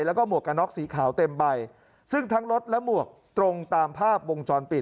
แล้วก็หมวกกระน็อกสีขาวเต็มใบซึ่งทั้งรถและหมวกตรงตามภาพวงจรปิด